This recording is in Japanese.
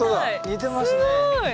似てますね。